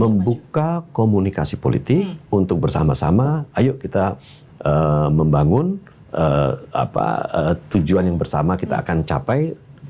membuka komunikasi politik untuk bersama sama ayo kita membangun tujuan yang bersama kita akan capai